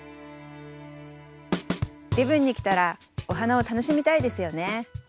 礼文に来たらお花を楽しみたいですよね。